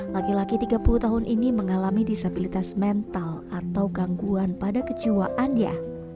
laki laki tiga puluh tahun ini mengalami disabilitas mental atau gangguan pada kejiwaannya